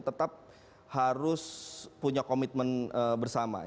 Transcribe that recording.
tetap harus punya komitmen bersama